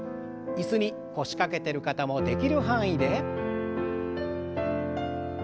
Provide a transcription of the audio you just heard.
椅子に腰掛けてる方もできる範囲で。